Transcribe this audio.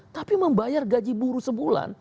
tapi membayar gaji buruh sebulan